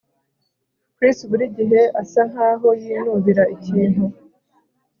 Chris buri gihe asa nkaho yinubira ikintu